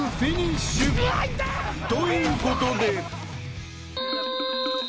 ［ということで］